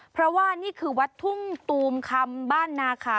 เพราะว่านี่คือวัดทุ่งตูมคำบ้านนาขา